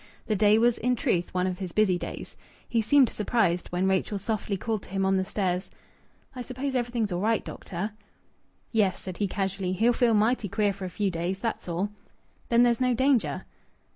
The day was in truth one of his busy days. He seemed surprised when Rachel softly called to him on the stairs. "I suppose everything's all right, doctor?" "Yes," said he casually. "He'll feel mighty queer for a few days. That's all." "Then there's no danger?"